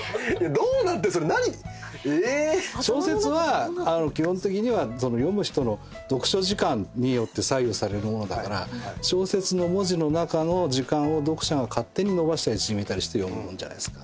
小説はあの基本的には読む人の読書時間によって左右されるものだから小説の文字の中の時間を読者が勝手に延ばしたり縮めたりして読む物じゃないですか。